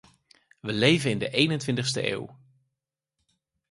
We leven in de eenentwintigste eeuw.